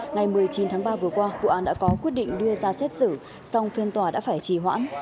ngày một mươi chín tháng ba vừa qua vụ án đã có quyết định đưa ra xét xử song phiên tòa đã phải trì hoãn